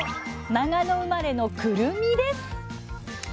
長野生まれのくるみです。